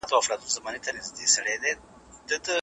قصاص د عدل تله ده.